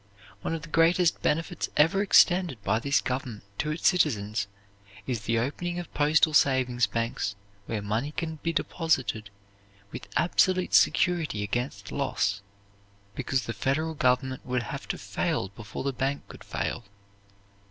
One of the greatest benefits ever extended by this government to its citizens is the opening of Postal Savings Banks where money can be deposited with absolute security against loss, because the Federal Government would have to fail before the bank could fail.